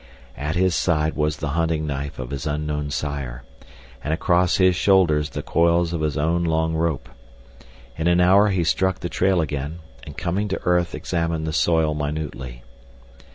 At his side was the hunting knife of his unknown sire, and across his shoulders the coils of his own long rope. In an hour he struck the trail again, and coming to earth examined the soil minutely.